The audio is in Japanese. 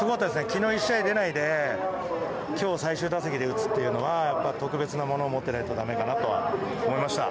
昨日１試合でないで今日、最終打席で打つのは特別なものを持っていないとだめかなと思いました。